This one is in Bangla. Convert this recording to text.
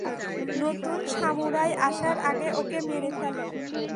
নতুন সামুরাই আসার আগে ওকে মেরে ফেলো।